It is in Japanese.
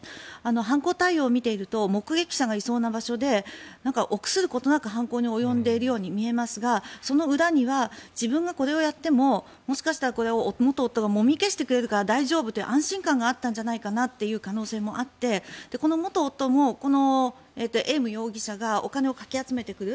犯行態様を見ていると目撃者がいそうな場所で臆することなく犯行に及んでいる気がしますがその裏には自分がこれをやってももしかしたらこれを元夫がもみ消してくれるから大丈夫という安心感があったんじゃないかなという可能性もあってこの元夫もエーム容疑者がお金をかき集めてくる。